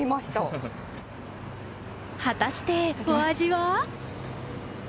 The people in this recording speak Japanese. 果たしてお味は？